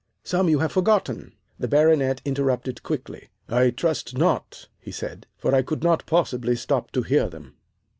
"Some you have forgotten." The Baronet interrupted quickly. "I trust not," he said, "for I could not possibly stop to hear them."